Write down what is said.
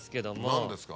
何ですか？